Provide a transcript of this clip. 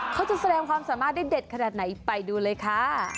เขาจะแสดงความสามารถได้เด็ดขนาดไหนไปดูเลยค่ะ